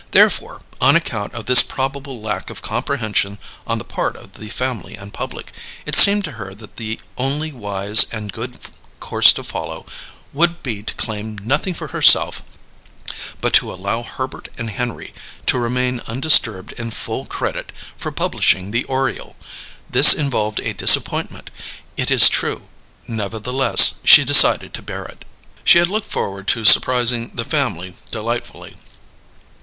Therefore, on account of this probable lack of comprehension on the part of the family and public, it seemed to her that the only wise and good course to follow would be to claim nothing for herself, but to allow Herbert and Henry to remain undisturbed in full credit for publishing the Oriole. This involved a disappointment, it is true; nevertheless, she decided to bear it. She had looked forward to surprising "the family" delightfully.